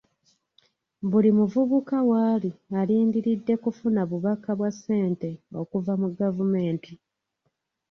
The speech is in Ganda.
Buli muvubuka waali alindiridde kufuna bubaka bwa sente okuva mu gavumenti.